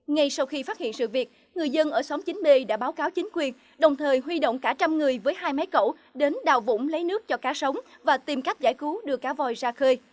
ngay sau khi phát hiện sự việc người dân ở xóm chín b đã báo cáo chính quyền đồng thời huy động cả trăm người với hai máy cẩu đến đào vũng lấy nước cho cá sống và tìm cách giải cứu đưa cá voi ra khơi